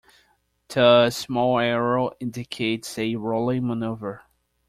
The small arrow indicates a rolling maneuver.